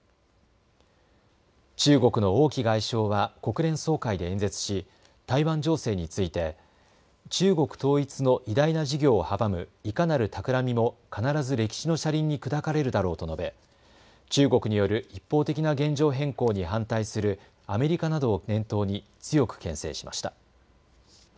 中国の王毅外相は国連総会で演説し、台湾情勢について中国統一の偉大な事業を阻むいかなるたくらみも必ず歴史の車輪に砕かれるだろうと述べ、中国による一方的な現状変更に反対するアメリカなどを念頭に強くけん制しました。